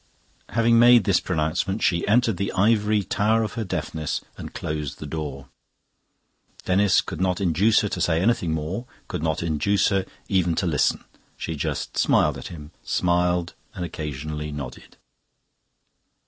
Having made this pronouncement, she entered the ivory tower of her deafness and closed the door. Denis could not induce her to say anything more, could not induce her even to listen. She just smiled at him, smiled and occasionally nodded.